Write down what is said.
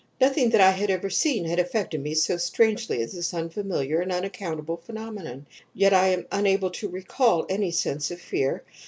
"Nothing that I had ever seen had affected me so strangely as this unfamiliar and unaccountable phenomenon, yet I am unable to recall any sense of fear.